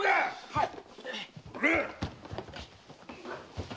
はい。